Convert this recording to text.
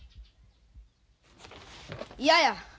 嫌や！